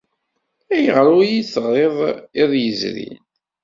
Ayɣer ur iyi-d-teɣriḍ iḍ yezrin?